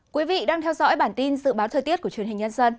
quý vị đang theo dõi bản tin dự báo thời tiết của truyền hình nhân dân